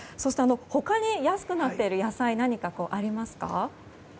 他に安くなっている野菜はありますか？